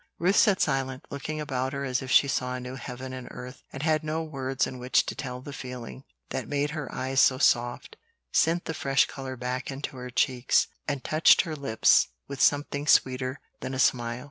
Ruth sat silent, looking about her as if she saw a new heaven and earth, and had no words in which to tell the feeling that made her eyes so soft, sent the fresh color back into her cheeks, and touched her lips with something sweeter than a smile.